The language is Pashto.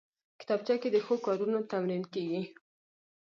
کتابچه کې د ښو کارونو تمرین کېږي